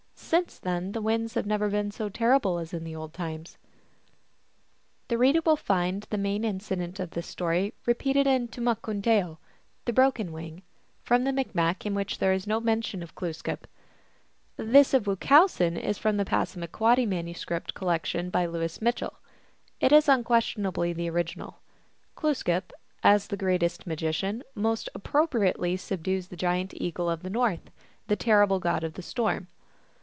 Since then the winds have never been so terrible as in the old time. GLOOSKAP THE DIVINITY. 113 The reader will find the main incident of this story repeated in " Tumilkoontaoo, the Broken Wing," from the Micmac, in which there is no mention of Glooskap. This of Wuchowsen is from the Passa maquoddy manuscript collection by Louis Mitchell. It is unquestionably the original. ^Glooskap, as the greatest magician, most appropriately subdues the giant eagle of the North, the terrible god of the storm.